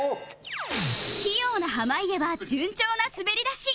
器用な濱家は順調な滑り出し